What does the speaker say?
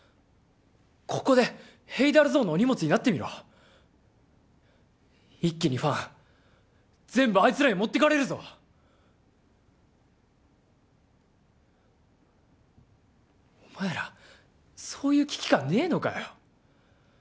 ここでＨＡＤＡＬＺＯＮＥのお荷物になってみろ一気にファン全部あいつらに持ってかれるぞお前らそういう危機感ねぇのかよ